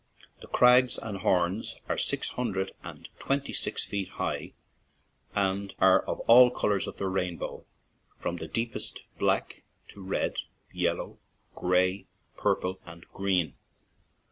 The crags and horns are six hundred and twenty six feet high, and are of all the colors of the rainbow, from deep est black to red, yellow, gray, purple, and green.